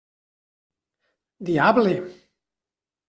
Diable!